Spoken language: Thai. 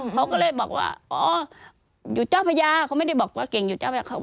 เขาก็เลยบอกว่าอ๋ออยู่เจ้าพญาเขาไม่ได้บอกว่าเก่งอยู่เจ้าพระเขา